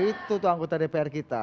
itu tuh anggota dpr kita